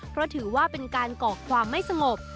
เพราะถือว่าเป็นการก่อความไม่สงบ